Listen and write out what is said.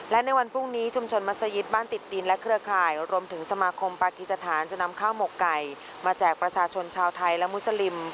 และในวันพรุ่งนี้ชุมชนมัศยิตบ้านติดดินและเครือข่ายรวมถึงสมาคมปากีสถานจะนำข้าวหมกไก่มาแจกประชาชนชาวไทยและมุสลิม